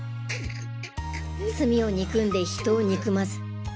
罪を憎んで人を憎まず。